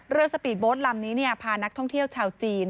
สปีดโบสต์ลำนี้พานักท่องเที่ยวชาวจีน